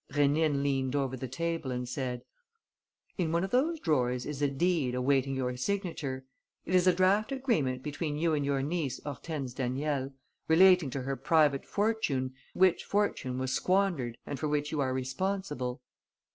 Rénine leant over the table and said: "In one of those drawers is a deed awaiting your signature. It is a draft agreement between you and your niece Hortense Daniel, relating to her private fortune, which fortune was squandered and for which you are responsible.